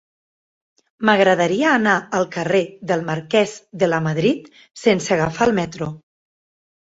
M'agradaria anar al carrer del Marquès de Lamadrid sense agafar el metro.